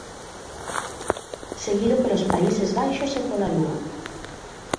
Seguido pelos Países Baixos e pola Lúa.